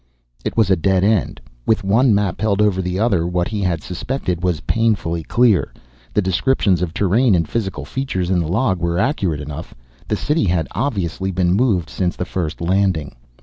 It was a dead end. With one map held over the other, what he had suspected was painfully clear. The descriptions of terrain and physical features in the log were accurate enough. The city had obviously been moved since the first landing.